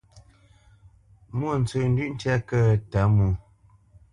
Mwôntsəndʉ̂ʼ ntyá kə̂ ə́ Tǎmwō?